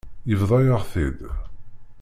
Yebḍa-yaɣ-t-id.